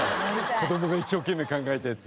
子供が一生懸命考えたやつ。